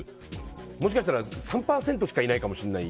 もしかしたら３％しかいないかもしれない。